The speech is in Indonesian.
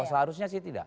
oh seharusnya sih tidak